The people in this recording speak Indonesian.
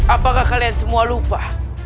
apakah kalian semua lupa